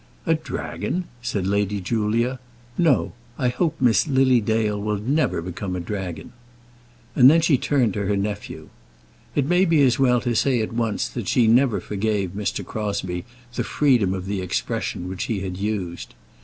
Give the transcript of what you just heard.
"A dragon!" said Lady Julia. "No; I hope Miss Lily Dale will never become a dragon." And then she turned to her nephew. It may be as well to say at once that she never forgave Mr. Crosbie the freedom of the expression which he had used.